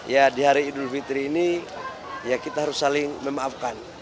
ya di hari idul fitri ini ya kita harus saling memaafkan